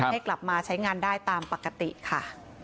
ให้กลับมาใช้งานได้ตามปกติค่ะ